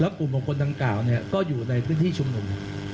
แล้วกลุ่มบุคคลทั้งเก่าก็อยู่ในพื้นที่ชุมหนุ่ม